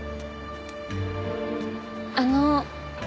あの。